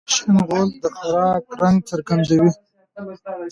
شین غول د خوراک رنګ څرګندوي.